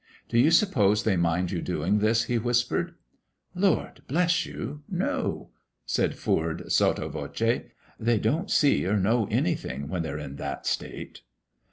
"Do you suppose they mind you doing this?" he whispered. "Lord bless you, no!" said Foord, sotto voce. "They don't see or know anything when they're in that state."